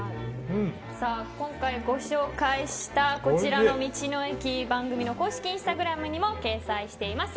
今回ご紹介したこちらの道の駅番組の公式インスタグラムにも掲載しています。